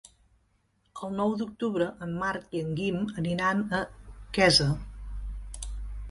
El nou d'octubre en Marc i en Guim aniran a Quesa.